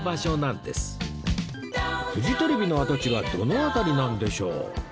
フジテレビの跡地はどの辺りなんでしょう？